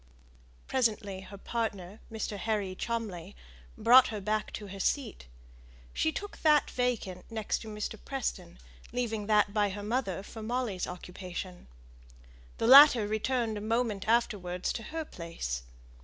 Presently her partner, Mr. Harry Cholmley, brought her back to her seat. She took that vacant next to Mr. Preston, leaving the one by her mother for Molly's occupation. The latter returned a moment afterwards to her place.